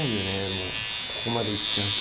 もうここまで行っちゃうと。